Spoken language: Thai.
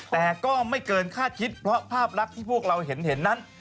แต่ก็ไม่เกินคาดคิดเพราะภาพลักษณ์ที่พวกเราเห็นนั้น